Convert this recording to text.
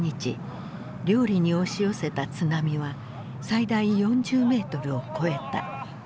綾里に押し寄せた津波は最大４０メートルを超えた。